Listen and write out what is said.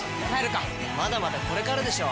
まだまだこれからでしょ！